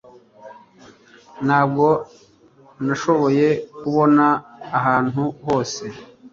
Ntabwo nashoboye kubona ahantu hose